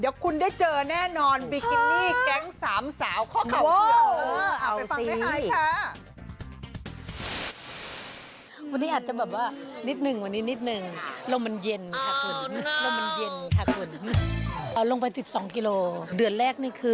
เดี๋ยวคุณได้เจอแน่นอนบิกินี่แก๊งสามสาวข้อข่าว